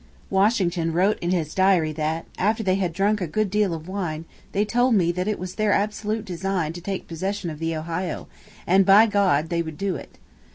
Washington wrote in his diary that, after they had drunk a good deal of wine, 'they told me that it was their absolute design to take possession of the Ohio, and by God they would do it.'